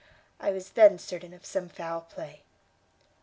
I was then certain of some foul play."